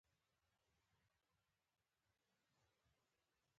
په نړۍ کې هر څه غلط نه دي.